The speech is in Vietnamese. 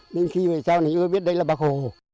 nên khi về sau thì tôi biết đây là bác hồ